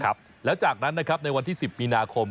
ครับแล้วจากนั้นนะครับในวันที่๑๐มีนาคม